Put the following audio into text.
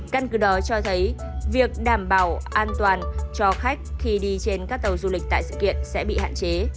căn cứ đó cho thấy việc đảm bảo an toàn cho khách khi đi trên các tàu du lịch tại sự kiện sẽ bị hạn chế